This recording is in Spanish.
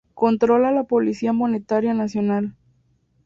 Controla la política monetaria nacional.